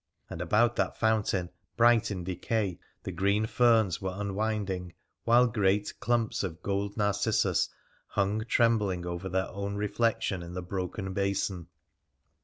And about that fountain, bright in decay, the green ferns were unwinding, while great clumps of gold narcissus hung trembling over their own reflection in the broken basin.